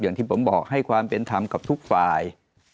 อย่างที่ผมบอกให้ความเป็นธรรมกับทุกฝ่าย